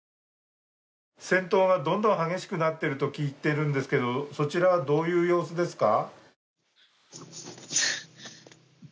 戦闘がどんどん激しくなってると聞いてるんですけどそちらはどういう様子ですか？